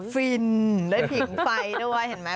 ฟินด้วยผิงไฟด้วยเห็นไหม